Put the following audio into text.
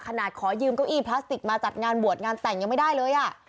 ขอยืมเก้าอี้พลาสติกมาจัดงานบวชงานแต่งยังไม่ได้เลยอ่ะ